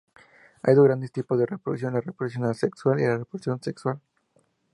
Hay dos grandes tipos de reproducción: la reproducción asexual y la reproducción sexual.